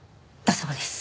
だそうです。